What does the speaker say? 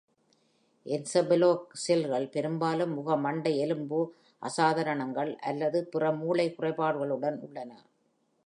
என்செபலோசெல்கள் பெரும்பாலும் முகமண்டை எலும்பு அசாதாரணங்கள் அல்லது பிற மூளை குறைபாடுகளுடன் உள்ளன.